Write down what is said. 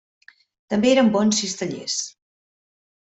També eren bons cistellers.